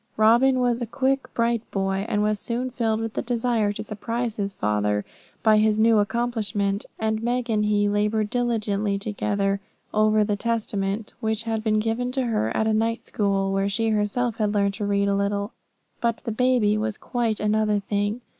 Robin was a quick, bright boy, and was soon filled with the desire to surprise his father by his new accomplishment; and Meg and he laboured diligently together over the Testament, which had been given to her at a night school, where she had herself learned to read a little. But with the baby it was quite another thing.